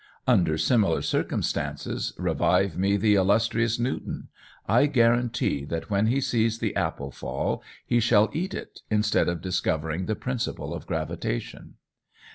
Under similar circumstances revive me the illustrious Newton. I guarantee that when he sees the apple fall he shall eat it, instead of discovering the principle of gravitation.